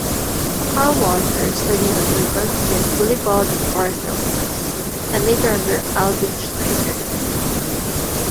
Carl Walther studied under gunsmith Willibald Barthelmes, and later under Albin Schneider.